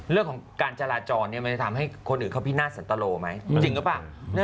เรื่องของการจราจรมันจะทำให้คนอื่นเขาพินาศสันตโลไหมจริงหรือเปล่า